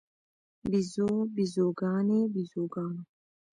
بیزو، بیزوګانې، بیزوګانو